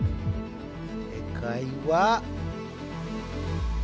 正解はＢ！